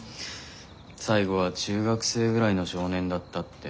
最後は中学生ぐらいの少年だったって。